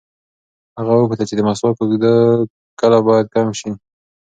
هغه وپوښتل چې د مسواک اوږدو کله باید کم شي.